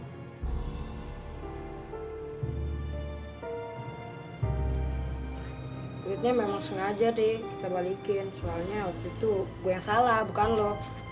duitnya memang sengaja deh kita balikin soalnya waktu itu gue yang salah bukan lo